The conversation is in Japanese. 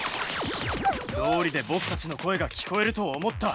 どうりでぼくたちの声が聞こえると思った！